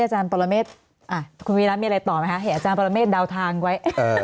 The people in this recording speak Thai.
เห็นอาจารย์ปรเมตรเดาทางไว้